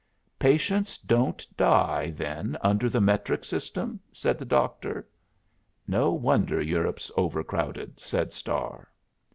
"Patients don't die then under the metric system?" said the Doctor. "No wonder Europe's overcrowded," said Starr.